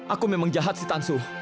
aku memang jahat si tansu